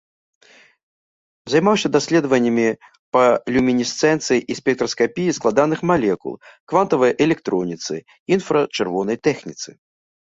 Займаўся даследаваннямі па люмінесцэнцыі і спектраскапіі складаных малекул, квантавай электроніцы, інфрачырвонай тэхніцы.